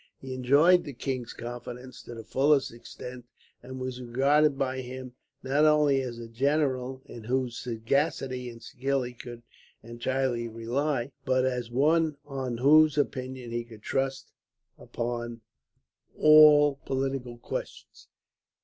He enjoyed the king's confidence to the fullest extent, and was regarded by him not only as a general in whose sagacity and skill he could entirely rely, but as one on whose opinion he could trust upon all political questions.